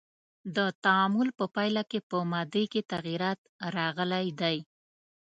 د تعامل په پایله کې په مادې کې تغیرات راغلی دی.